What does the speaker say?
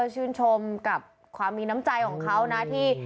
ชื่นชมกับความมีน้ำใจของเขานะที่